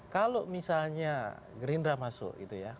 kalau misalnya gerindra masuk gitu ya